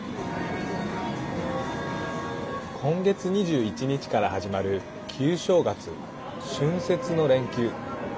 今月２１日から始まる旧正月春節の連休。